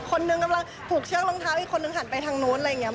คนหนึ่งกำลังผูกเชือกรองเท้าอีกคนนึงหันไปทางนู้นอะไรอย่างนี้